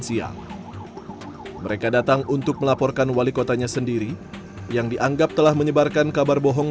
siang mereka datang untuk melaporkan wali kotanya sendiri yang dianggap telah menyebarkan kabar bohong